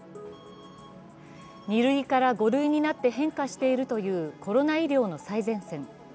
２類から５類になって変化しているという、コロナ医療の最前線。